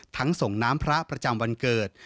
ส่งน้ำพระประจำวันเกิด